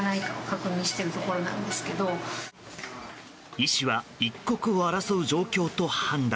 医師は一刻を争う状況と判断。